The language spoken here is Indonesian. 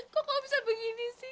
kok kalau bisa begini sih